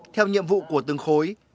theo nhiệm vụ của từng khối